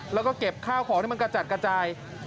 แล้วก็เก็บข้าวของที่มันกระจัดกระจาย